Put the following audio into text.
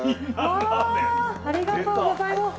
ありがとうございます。